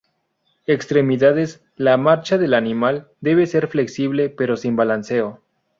Extremidades: La marcha del animal debe ser flexible pero sin balanceo.